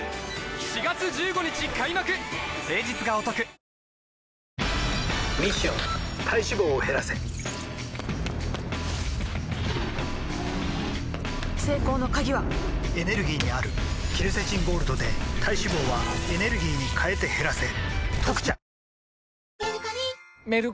ミッション体脂肪を減らせ成功の鍵はエネルギーにあるケルセチンゴールドで体脂肪はエネルギーに変えて減らせ「特茶」